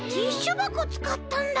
ばこつかったんだ！